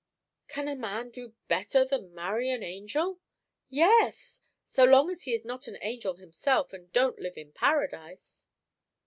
"Can a man do better than marry an angel?" "Yes! so long as he is not an angel himself, and don't live in Paradise."